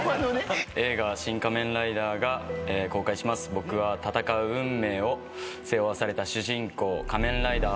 僕は戦う運命を背負わされた主人公仮面ライダー